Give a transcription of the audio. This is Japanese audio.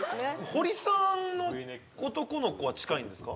堀さんの男の子は近いんですか？